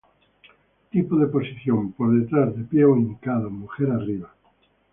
Tipo de posición: por detrás, de pie o hincado, mujer arriba.